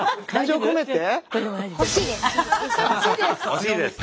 欲しいです！